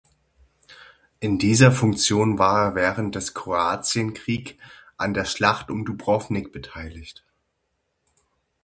In dieser Funktion war er während des Kroatienkrieg an der Schlacht um Dubrovnik beteiligt.